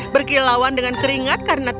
berkilauan dengan keringat karena takut